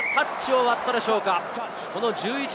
ただタッチを割ったでしょうか？